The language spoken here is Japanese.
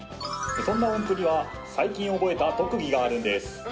そんなおんぷには最近覚えた特技があるんです